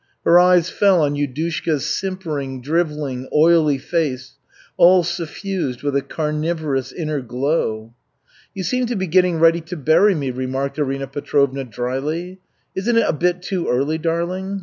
Her eyes fell on Yudushka's simpering, drivelling, oily face, all suffused with a carnivorous inner glow. "You seem to be getting ready to bury me," remarked Arina Petrovna drily. "Isn't it a bit too early, darling?